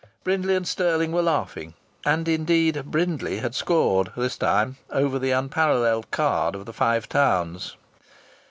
Brindley and Stirling were laughing. And, indeed, Brindley had scored, this time, over the unparalleled card of the Five Towns.